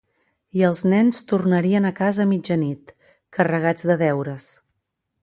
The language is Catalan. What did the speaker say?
I els nens tornarien a casa a mitja nit, carregats de deures.